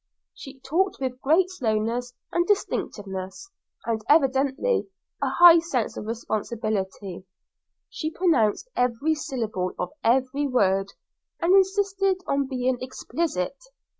She talked with great slowness and distinctness, and evidently a high sense of responsibility; she pronounced every syllable of every word and insisted on being explicit.